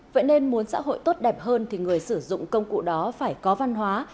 vậy nên muốn xã hội tốt đẹp hơn thì người sử dụng công cụ đó phải có văn hóa